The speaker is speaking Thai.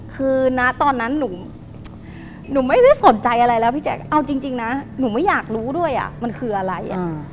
คือนะตอนนั้นหนูไม่ได้สนใจอะไรแล้วพี่แจ๊คเอาจริงนะหนูไม่อยากรู้ด้วยมันคืออะไร